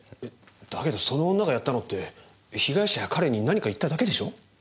だけどその女がやったのって被害者や彼に何か言っただけでしょ？